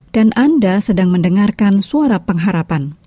dan anda sedang mendengarkan suara pengharapan